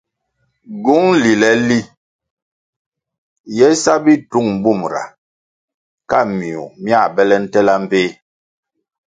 Gywúng lile li ye sa bitūng bumra ka miwuh mia bele ntela mbpéh.